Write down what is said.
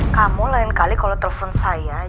kamu lain kali kalau telepon saya